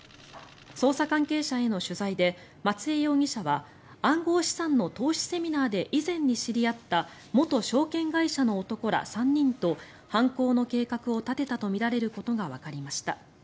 捜査関係者への取材で松江容疑者は暗号資産の投資セミナーで以前に知り合った元証券会社の男ら３人と犯行の計画を立てたとみられることがわかりました。